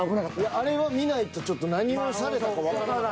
あれは見ないとちょっと何をされたかわからん。